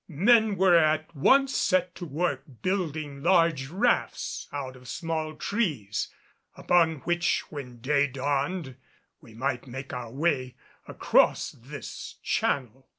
Men were at once set to work building large rafts out of small trees, upon which when day dawned we might make our way across this channel.